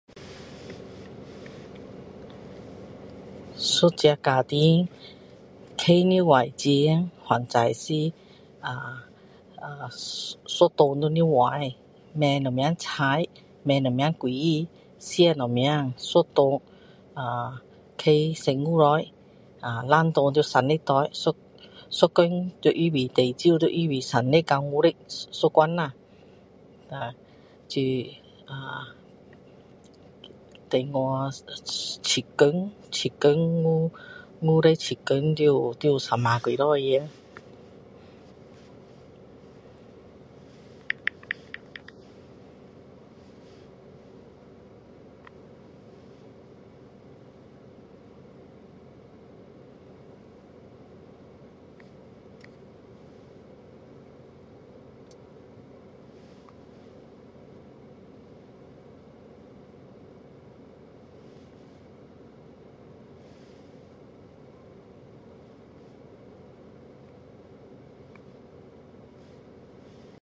一个家庭花多少钱反正是呃呃…一顿是多少买什么菜买什么水果吃什么一顿呃…花十五块啊两顿就三十块一一天要准备最少要准备三十到五十一关啦然后煮呃…等于七天七天五五十七天要有要有三百多块钱